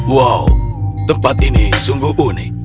wow tempat ini sungguh unik